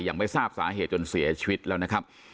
ยังไม่ทราบสาเหตุจนเสียชีวิตแล้วนะครับ